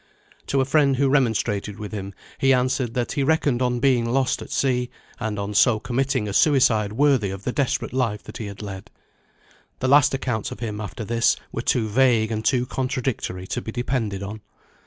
To a friend who remonstrated with him, he answered that he reckoned on being lost at sea, and on so committing a suicide worthy of the desperate life that he had led. The last accounts of him, after this, were too vague and too contradictory to be depended on.